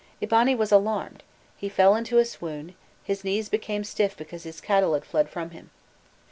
Eabani was alarmed, he fell into a swoon, his knees became stiff because his cattle had fled from him.